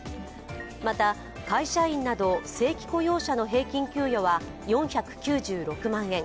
また、会社員など正規雇用者の平均給与は４９６万円。